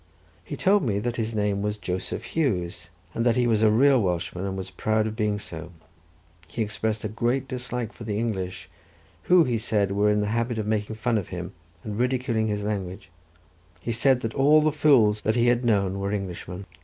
He told me that his name was Joseph Hughes, and that he was a real Welshman and was proud of being so; he expressed a great dislike for the English, who he said were in the habit of making fun of him and ridiculing his language; he said that all the fools that he had known were Englishmen.